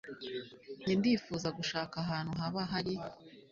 nge ndifuza gushaka ahantu haba hari